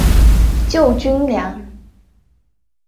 救军粮